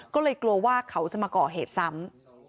ก็เลยกลัวว่าเขาจะมาก่อเหตุซ้ำ